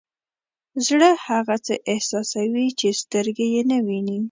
زړه هغه څه احساسوي چې سترګې یې نه ویني.